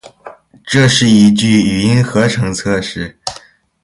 这是一句语音合成测试